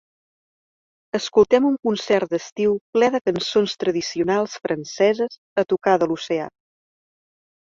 Escoltem un concert d'estiu ple de cançons tradicionals franceses a tocar de l'oceà.